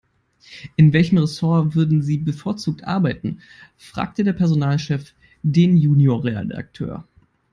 "In welchem Ressort würden Sie bevorzugt arbeiten?", fragte der Personalchef den Junior-Redakteur.